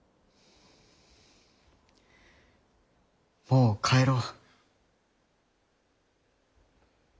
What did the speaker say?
もう帰ろう。